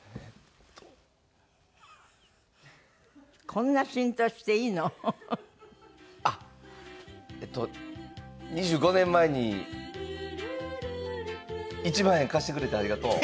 こんなしんとしていいの？あっえっと２５年前に１万円貸してくれてありがとう。